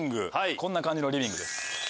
こんな感じのリビングです。